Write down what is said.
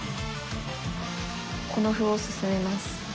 この歩を進めます。